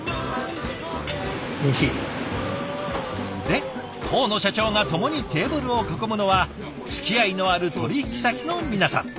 で当の社長が共にテーブルを囲むのはつきあいのある取引先の皆さん。